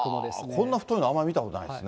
こんな太いのあまり見たことないですね。